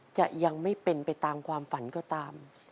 จะยังไม่เป็นไปตามความฝันก็ตาม